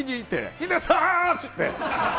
ヒデさーん！っつって。